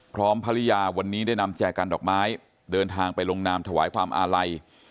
พร้อมภรรยาวันนี้ได้นำแจกันดอกไม้เดินทางไปลงนามถวายความอาลัย